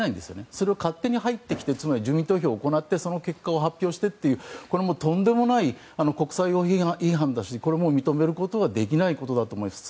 それを勝手に入ってきて住民投票を行ってその結果を発表してというとんでもない国際法違反だし、認めることはできないと思います。